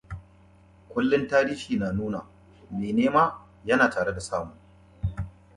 It consists of the villages of Thurcaston and Cropston.